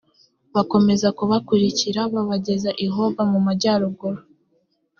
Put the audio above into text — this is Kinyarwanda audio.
bakomeza kubakurikira babageza i hoba mu majyaruguru